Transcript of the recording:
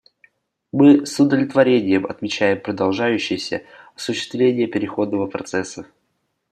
Мы с удовлетворением отмечаем продолжающееся осуществление переходного процесса.